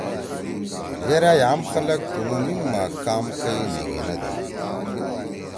یرأ یام خلگ تُنو میم ما کام کئی نی گھیندی۔